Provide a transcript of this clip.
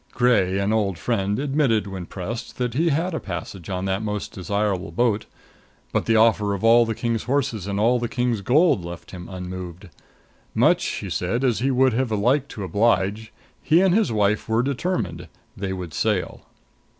Gray, an old friend, admitted when pressed that he had a passage on that most desirable boat. But the offer of all the king's horses and all the king's gold left him unmoved. Much, he said, as he would have liked to oblige, he and his wife were determined. They would sail.